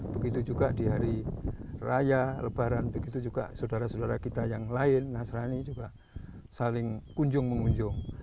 begitu juga di hari raya lebaran begitu juga saudara saudara kita yang lain nasrani juga saling kunjung mengunjung